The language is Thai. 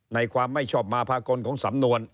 ความไม่ชอบมาภากลของสำนวน